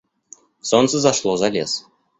Солнце зашло за лес.